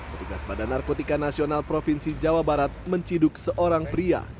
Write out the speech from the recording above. petugas badan narkotika nasional provinsi jawa barat menciduk seorang pria